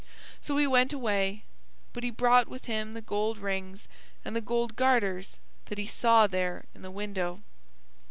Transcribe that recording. So he went away; but he brought with him the gold rings and the gold garters that he saw there in the window.